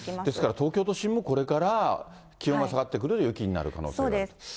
ですから東京都心もこれから気温が下がってくると、そうです。